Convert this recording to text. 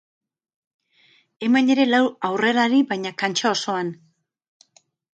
Hemen ere lau aurrelari baina kantxa osoan.